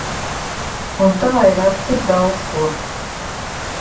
Un tā ir ar tik daudz ko.